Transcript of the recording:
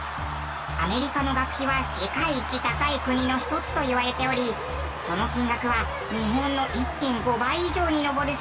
アメリカの学費は世界一高い国の一つといわれておりその金額は日本の１．５倍以上に上るそうです。